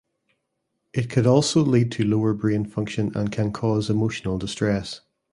It could also lead to lower brain function and can cause emotional distress.